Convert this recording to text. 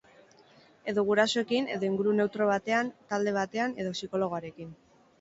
Edo gurasoekin, edo inguru neutro batean, talde batean edo psikologoarekin.